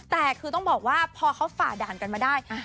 แต่คือต้องบอกว่าพอเขาฝ่าด่านกันมาได้